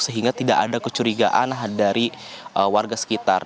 sehingga tidak ada kecurigaan dari warga sekitar